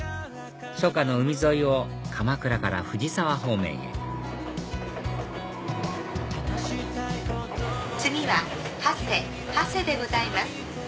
初夏の海沿いを鎌倉から藤沢方面へ次は長谷長谷でございます。